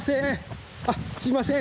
すいません。